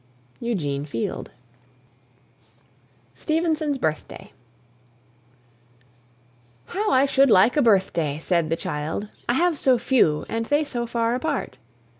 EUGENE FIELD. STEVENSON'S BIRTHDAY. "How I should like a birthday!" said the child, "I have so few, and they so far apart."